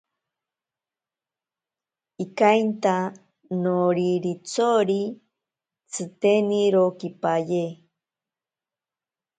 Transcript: Ikainta noriritsori tsitenirokipaye.